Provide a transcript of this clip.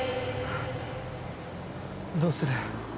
どうする？